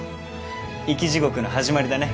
生き地獄の始まりだね。